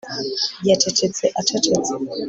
Yacecetse acecetse